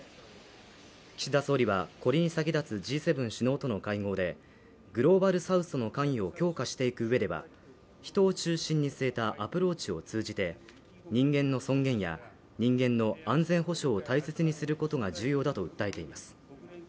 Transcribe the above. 岸田総理は、これに先立つＧ７首脳との会合でグローバルサウスの関与を強化していくうえでは人を中心に据えたアプローチを通じて人間の尊厳や人間の安全保障を大切にすることが重要だと訴えています。